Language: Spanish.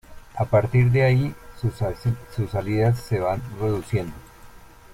A partir de ahí sus salidas se van reduciendo.